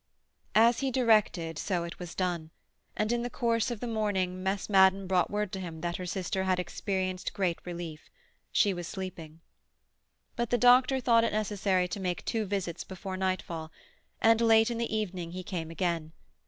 As he directed so it was done; and in the course of the morning Miss Madden brought word to him that her sister had experienced great relief. She was sleeping. But the doctor thought it necessary to make two visits before nightfall, and late in the evening he came again.